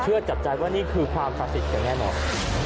เชื่อจับจันว่านี่คือความคลาสิทธิ์กันแน่นอน